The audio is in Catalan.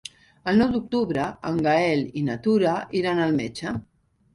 El nou d'octubre en Gaël i na Tura iran al metge.